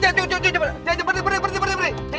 jangan jangan jangan berhenti berhenti berhenti